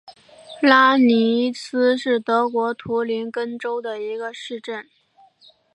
拉尼斯是德国图林根州的一个市镇。